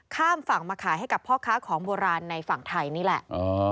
ข้ามฝั่งมาขายให้กับพ่อค้าของโบราณในฝั่งไทยนี่แหละ